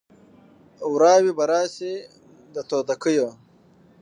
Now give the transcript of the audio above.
وراوي به راسي د توتکیو